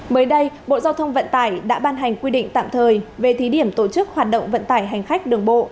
mới đây bộ giao thông vận tải đã ban hành quy định tạm thời về thí điểm tổ chức hoạt động vận tải hành khách đường bộ